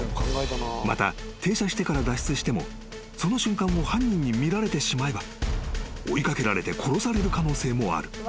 ［また停車してから脱出してもその瞬間を犯人に見られてしまえば追い掛けられて殺される可能性もある］